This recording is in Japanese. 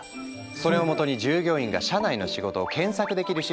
それをもとに従業員が社内の仕事を検索できるシステムを構築。